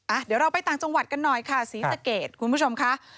เดี๋ยวเราไปต่างจังหวัดกันหน่อยค่ะศรีสะเกดคุณผู้ชมค่ะ